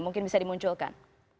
mungkin bisa dimunculkan